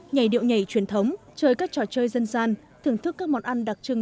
nhảy điệu nhảy truyền thống chơi các trò chơi dân gian thưởng thức các món ăn đặc trưng